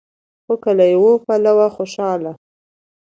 خو که له يوه پلوه خوشال